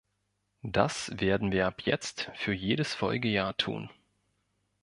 Das werden wir ab jetzt für jedes Folgejahr tun.